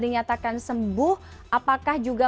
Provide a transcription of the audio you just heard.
dinyatakan sembuh apakah juga